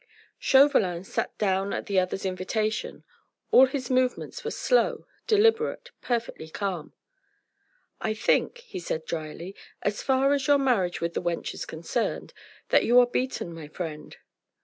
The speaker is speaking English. Chauvelin sat down at the other's invitation. All his movements were slow, deliberate, perfectly calm. "I think," he said drily, "as far as your marriage with the wench is concerned, that you are beaten, my friend."